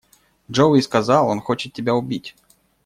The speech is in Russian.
Джоуи сказал, он хочет тебя убить.